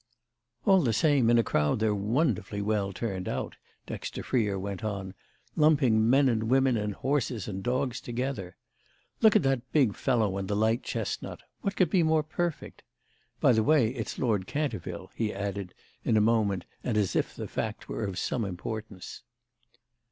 "All the same, in a crowd, they're wonderfully well turned out," Dexter Freer went on—"lumping men and women and horses and dogs together. Look at that big fellow on the light chestnut: what could be more perfect? By the way, it's Lord Canterville," he added in a moment and as if the fact were of some importance.